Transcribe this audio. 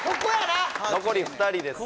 残り２人ですね